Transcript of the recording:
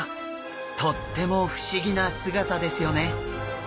とっても不思議な姿ですよね。